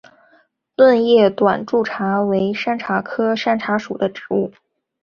钝叶短柱茶为山茶科山茶属的植物。